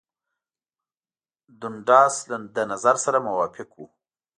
دونډاس له نظر سره موافق وو.